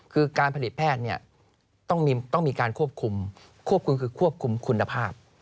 คือการผลิตแพทย์ต้องมีการควบคุมคุณภาพ